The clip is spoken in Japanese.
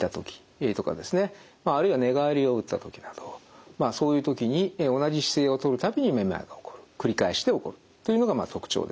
まああるいは寝返りを打ったときなどまあそういうときに同じ姿勢をとる度にめまいが起こる繰り返して起こるというのが特徴です。